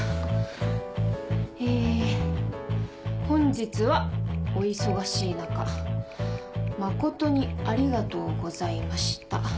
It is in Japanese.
「本日はお忙しい中誠にありがとうございました。